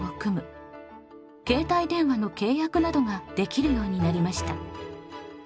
携帯電話の契約などができるようになりました。